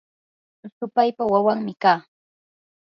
supaypa wawanmi kaa.